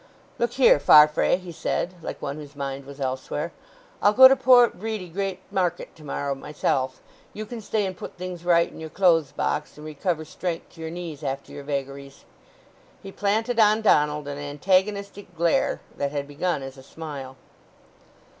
"Look here, Farfrae," he said, like one whose mind was elsewhere, "I'll go to Port Bredy Great Market to morrow myself. You can stay and put things right in your clothes box, and recover strength to your knees after your vagaries." He planted on Donald an antagonistic glare that had begun as a smile.